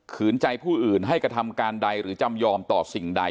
ใจผู้อื่นให้กระทำการใดหรือจำยอมต่อสิ่งใด